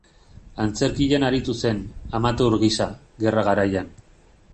Antzerkian aritu zen, amateur gisa, gerra-garaian.